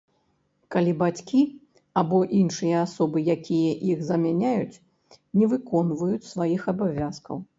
Калі бацькі або іншыя асобы, якія іх замяняюць, не выконваюць сваіх абавязкаў.